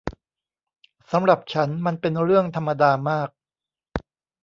สำหรับฉันมันเป็นเรื่องธรรมดามาก